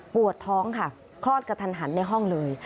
ปวดท้องค่ะคลอดกระทันหันในห้องเลย